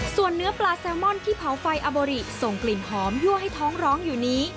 ส่วนเนื้อปลาแซลมอนที่เผาไฟอโบริส่งกลิ่นหอมยั่วให้ท้องร้องอยู่นี้